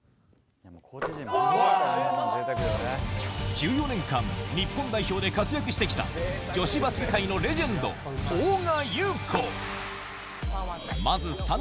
１４年間、日本代表で活躍してきた、女子バスケ界のレジェンド、大神雄子。